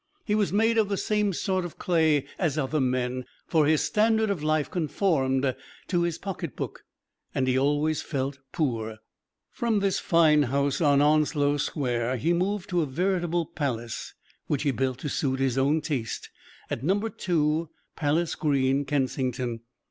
He was made of the same sort of clay as other men, for his standard of life conformed to his pocketbook and he always felt poor. From this fine house on Onslow Square he moved to a veritable palace, which he built to suit his own taste, at Number Two Palace Green, Kensington.